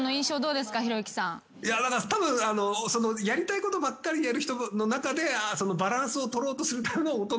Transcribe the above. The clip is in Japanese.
たぶんやりたいことばっかりやる人の中でバランスを取ろうとするからの。